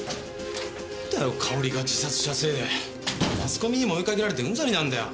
かおりが自殺したせいでマスコミにも追いかけられてうんざりなんだよ。